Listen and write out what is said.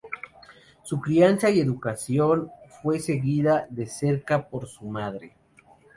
Su crianza y su educación fue seguida de cerca por su madre.